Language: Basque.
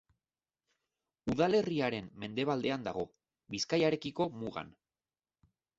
Udalerriaren mendebaldean dago, Bizkaiarekiko mugan.